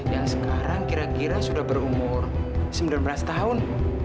yang sekarang kira kira sudah berumur sembilan belas tahun